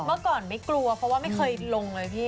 เมื่อก่อนไม่กลัวเพราะว่าไม่เคยลงเลยพี่